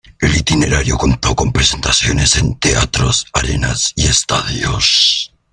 El itinerario contó con presentaciones en teatros, arenas y estadios.